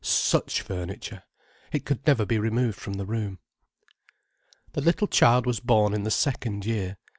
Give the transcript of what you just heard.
Such furniture! It could never be removed from the room. The little child was born in the second year.